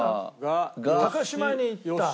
島屋に行った。